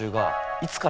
いつから？